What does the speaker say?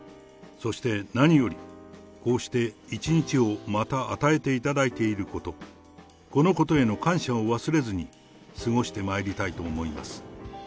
そして何より、こうして一日をまた与えていただいていること、このことへの感謝を忘れずに、過ごしてまいりたいと思います。